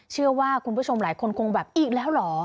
เชื่อว่าคุณผู้ชมหลายคนคงแบบอีกแล้วเหรอ